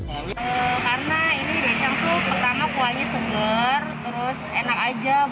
karena ini dojang tuh pertama kuahnya seger